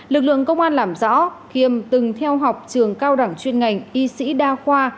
lực lượng công an làm rõ khiêm từng theo học trường cao đẳng chuyên ngành y sĩ đa khoa